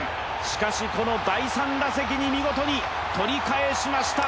しかしこの第３打席に見事に、取り返しました。